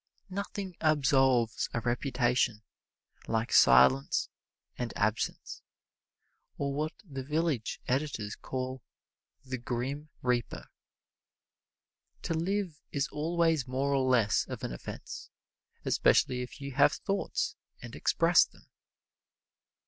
Nothing absolves a reputation like silence and absence, or what the village editors call "the grim reaper." To live is always more or less of an offense, especially if you have thoughts and express them.